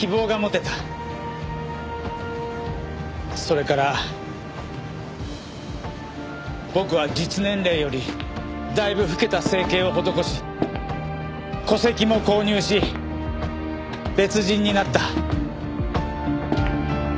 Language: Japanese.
それから僕は実年齢よりだいぶ老けた整形を施し戸籍も購入し別人になった。